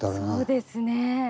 そうですね。